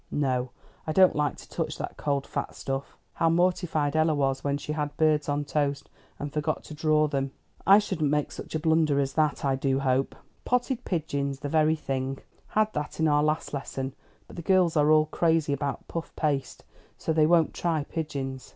No, I don't like to touch that cold, fat stuff. How mortified Ella was, when she had birds on toast and forgot to draw them. I shouldn't make such a blunder as that, I do hope. Potted pigeons the very thing! Had that in our last lesson, but the girls are all crazy about puff paste, so they won't try pigeons.